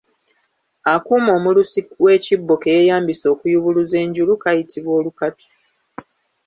Akuuma omulusi w'ekibbo ke yeeyambisa okuyubuluza enjulu kayitibwa Olukatu.